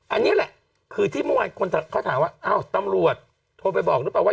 อันนี้แหละคือที่เมื่อวานคนเขาถามว่าอ้าวตำรวจโทรไปบอกหรือเปล่าว่า